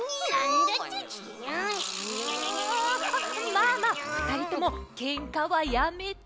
まあまあふたりともけんかはやめて！